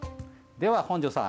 では本庄さん